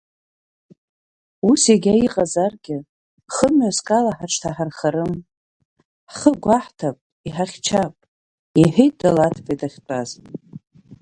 Ус егьа иҟазаргьы, хымҩаск ала ҳаҽҭаҳархарым, ҳхы гәаҳҭап, иҳахьчап, — иҳәеит Далаҭбеи дахьтәаз.